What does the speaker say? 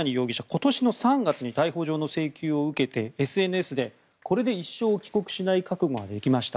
今年の３月に逮捕状の請求を受けてＳＮＳで、これで一生帰国しない覚悟ができました